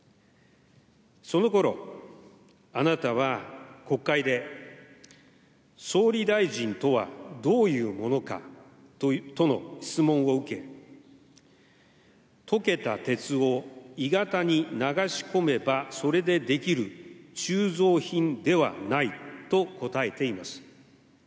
そのころ、あなたは国会で、総理大臣とはどういうものかとの質問を受け、溶けた鉄を鋳型に流し込めば、それで出来る鋳造品ではないと答えています。